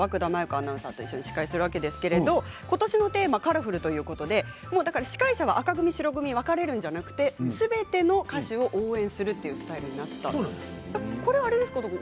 アナウンサーと一緒に司会するんですがことしのテーマはカラフル司会者は紅組白組分かれるんじゃなくてすべての歌手を応援するというスタイルになった。